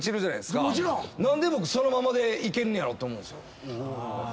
何でそのままでいけんねやろ？と思うんすよ。